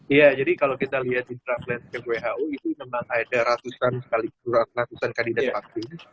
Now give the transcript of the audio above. iya jadi kalau kita lihat intervensi who itu memang ada ratusan ratusan kandidat vaksin